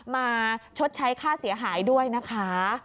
ชดใช้ค่าเสียหายด้วยนะคะ